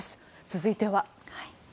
続いては。